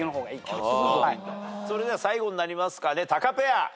それでは最後になりますかねタカペア。